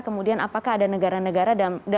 kemudian apakah ada negara negara